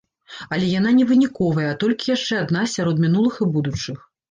Але яна не выніковая, а толькі яшчэ адна сярод мінулых і будучых.